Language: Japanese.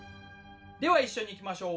では一緒にいきましょう。